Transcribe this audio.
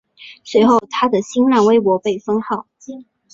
随后他的新浪微博被封号。